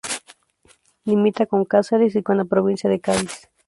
Limita con Casares y con la provincia de Cádiz.